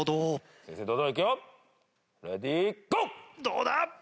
どうだ？